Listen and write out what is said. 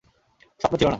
স্বপ্ন ছিল না।